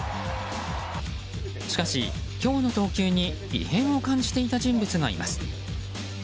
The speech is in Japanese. しかし、今日の投球に異変を感じていた人物がいます。